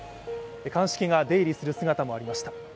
鑑識が出入りする姿もありました。